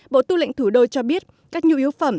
bộ tư lệnh thủ đô cho biết các nhu yếu phẩm